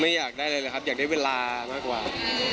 ไม่อยากได้อะไรครับอยากได้เวลามากกว่า